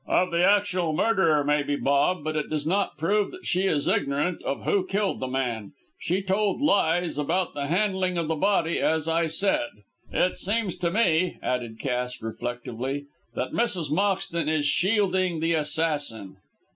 "Of the actual murder, maybe, Bob; but it does not prove that she is ignorant of who killed the man. She told lies about the handling of the body, as I said. It seems to me," added Cass, reflectively, "that Mrs. Moxton is shielding the assassin."